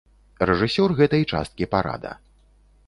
Рэжысёр гэтай часткі парада.